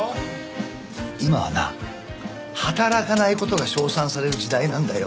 今はな働かない事が称賛される時代なんだよ。